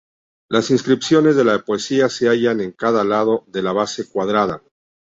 Las inscripciones de la poesía se hallan en cada lado de la base cuadrada.